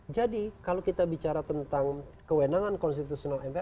jadi kalau kita bicara tentang kewenangan konstitusional mpr